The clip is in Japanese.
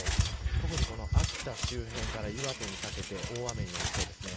特に秋田周辺から岩手にかけて大雨になりそうです。